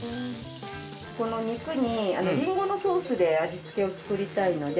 この肉にリンゴのソースで味付けを作りたいので。